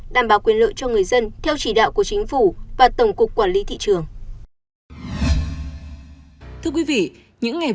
đảm bảo quyền lợi cho người dân theo chỉ đạo của chính phủ và tổng cục quản lý thị trường